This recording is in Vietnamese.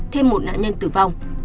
thêm một nạn nhân tử vong